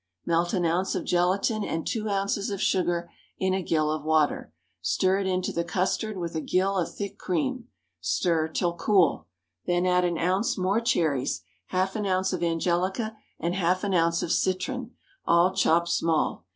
Melt an ounce of gelatine and two ounces of sugar in a gill of water; stir it into the custard with a gill of thick cream; stir till cool; then add an ounce more cherries, half an ounce of angelica, and half an ounce of citron, all chopped small.